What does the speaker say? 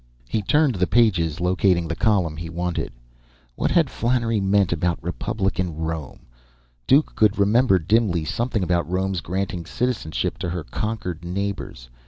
He turned the pages, locating the column he wanted. What had Flannery meant about Republican Rome? Duke could remember dimly something about Rome's granting citizenship to her conquered neighbors.